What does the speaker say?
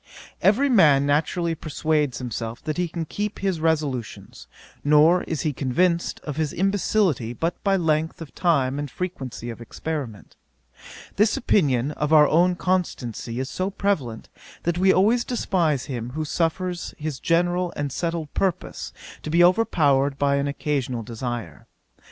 Every man naturally persuades himself that he can keep his resolutions, nor is he convinced of his imbecility but by length of time and frequency of experiment. This opinion of our own constancy is so prevalent, that we always despise him who suffers his general and settled purpose to be overpowered by an occasional desire.